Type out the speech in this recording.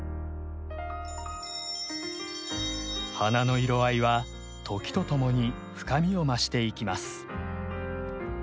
花の色合いは時とともに深みを増していきます。